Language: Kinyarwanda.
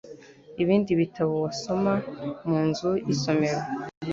Ibindi bitabo wasoma mu nzu y'isomero.